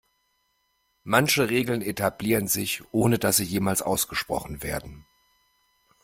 Manche Regeln etablieren sich, ohne dass sie jemals ausgesprochen werden.